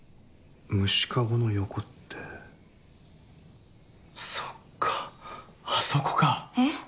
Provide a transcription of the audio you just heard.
虫かごの横ってそっかあそこかえっ？